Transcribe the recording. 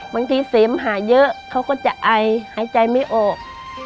บางทีเสียงหายเยอะเขาก็จะไอหายใจไม่อบ